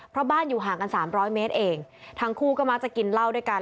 เพราะบ้านอยู่ห่างกันสามร้อยเมตรเองทั้งคู่ก็มักจะกินเหล้าด้วยกัน